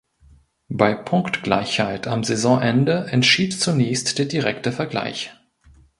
Bei Punktgleichheit am Saisonende entschied zunächst der direkte Vergleich.